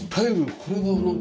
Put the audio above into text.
これはなんか。